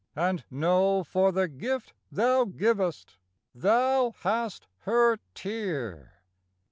and know For the gift thou givest, thou hast her tear.